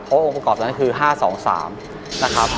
เพราะองค์ประกอบนั้นคือ๕๒๓นะครับ